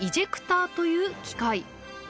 という機械。